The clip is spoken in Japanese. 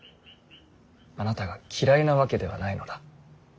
あなたが嫌いなわけではないのだ。